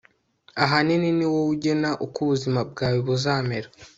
ahanini ni wowe ugena uko ubuzima bwawe buzamera